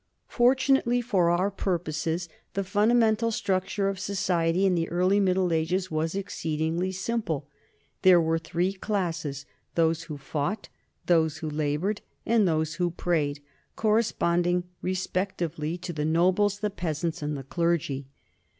Fortunately for our purposes, the fundamental struc ture of society in the earlier Middle Ages was exceed ingly simple. There were three classes, those who fought, those who labored, and those who prayed, cor responding respectively to the nobles, the peasants, and the clergy.